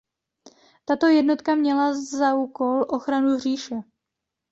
Tato jednotka měla za úkol ochranu říše.